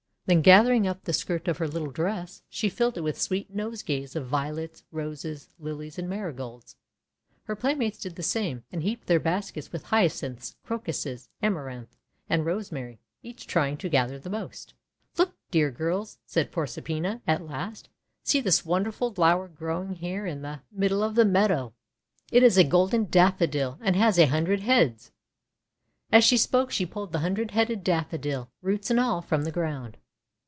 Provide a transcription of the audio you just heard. Then, gathering up the skirt of her little dress, she filled it with sweet nosegays of Violets, Roses, Lilies, and Marigolds. Her playmates did the same, and heaped their baskets with Hyacinths, Crocuses, Amaranth, and Rosemary, each trying to gather the most. "Look! dear Girls!" cried Proserpina at last. "See this wonderful flower growing here in the 426 THE WONDER GARDEN middle of the meadow! It is a golden Daffodil and has a hundred heads!5 As she spoke she pulled the Hundred Headed Daffodil, roots and all, from the ground.